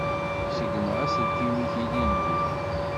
Ṣeggmeɣ aselkim-ik ilindi.